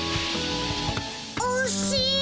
おっしい！